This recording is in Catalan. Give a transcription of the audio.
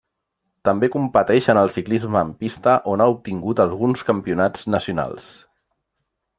També competeix en el ciclisme en pista on ha obtingut alguns campionats nacionals.